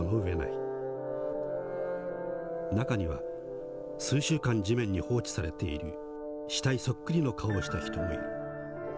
中には数週間地面に放置されている死体そっくりの顔をした人もいる。